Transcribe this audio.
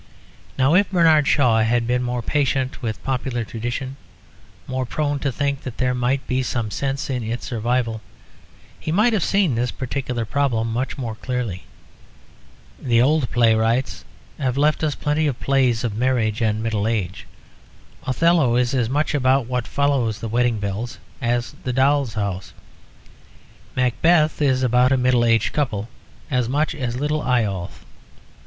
Now if Bernard Shaw had been more patient with popular tradition, more prone to think that there might be some sense in its survival, he might have seen this particular problem much more clearly. The old playwrights have left us plenty of plays of marriage and middle age. Othello is as much about what follows the wedding bells as The Doll's House. Macbeth is about a middle aged couple as much as Little Eyolf.